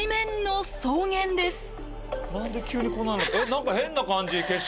何か変な感じ景色。